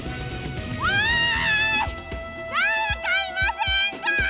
おいだれかいませんか？